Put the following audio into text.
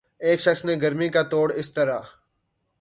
ایک شخص نے گرمی کا توڑ اس طرح